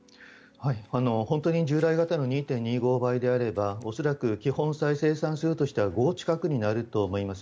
本当に従来型の２．２５倍であれば恐らく基本再生産数としては５近くになると思います。